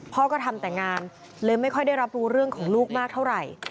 พ่อก็ทำแต่งานเลยไม่ค่อยได้รับรู้เรื่องของลูกมากเท่าไหร่